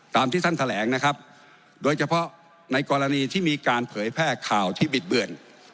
ที่ท่านแถลงนะครับโดยเฉพาะในกรณีที่มีการเผยแพร่ข่าวที่บิดเบือน